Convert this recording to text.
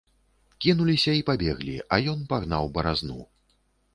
Кінуліся і пабеглі, а ён пагнаў баразну.